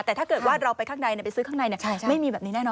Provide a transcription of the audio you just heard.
แต่ถ้าเกิดว่าเราไปข้างในไปซื้อข้างในไม่มีแบบนี้แน่นอ